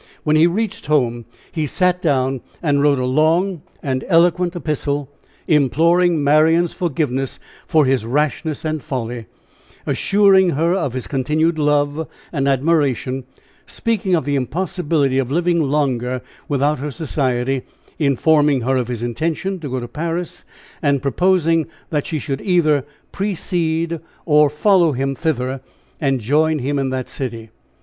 When he reached home, he sat down and wrote a long and eloquent epistle, imploring Marian's forgiveness for his rashness and folly, assuring her of his continued love and admiration; speaking of the impossibility of living longer without her society informing her of his intention to go to Paris, and proposing that she should either precede or follow him thither, and join him in that city.